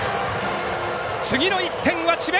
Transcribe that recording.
次の１点は智弁